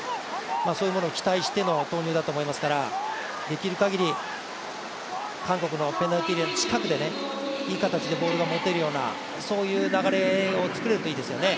そういうものを期待しての投入だと思いますからできるかぎり韓国のペナルティーエリアの近くでいい形でボールが持てるようなそういう流れを作れるといいですよね。